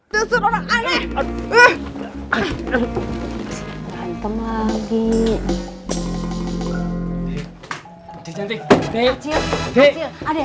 desur orang aneh